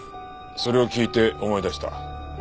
それを聞いて思い出した。